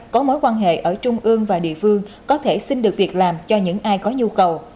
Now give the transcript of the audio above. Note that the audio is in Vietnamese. có mối quan hệ ở trung ương và địa phương có thể xin được việc làm cho những ai có nhu cầu